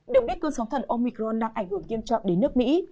được biết cơn sóng thần omicron đang ảnh hưởng kiêm trọng đến nước mỹ